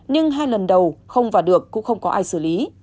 nhưng hai lần đầu không vào được cũng không có ai xử lý